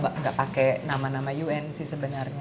tidak pakai nama nama un